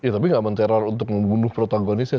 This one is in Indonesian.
tapi tidak men teror untuk membunuh protagonis ya